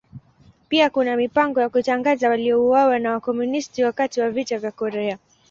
Pia kuna mipango ya kutangaza waliouawa na Wakomunisti wakati wa Vita vya Korea.